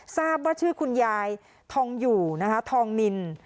ทราบว่าชื่อคุณยายทองอยู่นะคะทองนิน